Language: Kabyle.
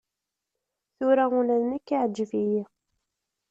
Tura ula d nekk iɛǧeb-iyi.